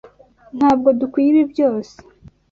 Ntabwo dukwiye ibi byose.